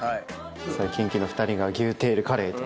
キンキの２人が牛テールカレーとなりました。